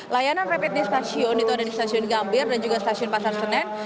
layanan rapid di stasiun itu ada di stasiun gambir dan juga stasiun pasar senen